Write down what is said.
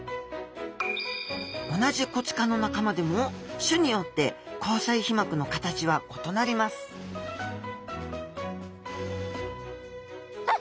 同じコチ科の仲間でも種によって虹彩皮膜の形は異なりますあっ！